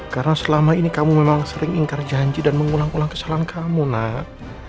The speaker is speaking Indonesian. karena selama ini kamu memang sering ingkar janji dan mengulang ulang kesalahan kamu nang